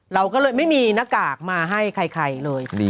เราก็เลยไม่มีหน้ากากมาให้ใครเลย